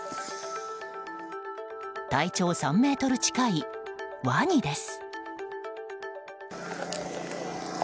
体長３ｍ近いワニです。